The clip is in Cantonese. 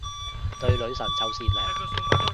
對女神就善良